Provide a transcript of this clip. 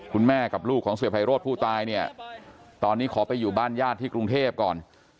แม่กับลูกของเสียไพโรธผู้ตายเนี่ยตอนนี้ขอไปอยู่บ้านญาติที่กรุงเทพก่อน